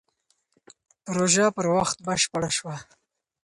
پروژه پر وخت بشپړه شوه.